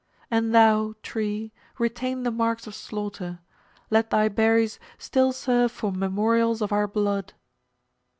And thou, tree, retain the marks of slaughter. Let thy berries still serve for memorials of our blood."